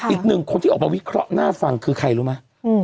อีกหนึ่งคนที่ออกมาวิเคราะห์หน้าฟังคือใครรู้ไหม